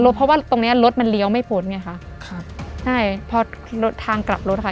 เพราะว่าตรงเนี้ยรถมันเลี้ยวไม่พ้นไงค่ะครับใช่พอรถทางกลับรถค่ะ